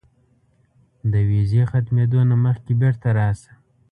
د ویزې ختمېدو نه مخکې بیرته راشه.